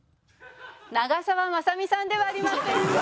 長澤まさみさんではありません。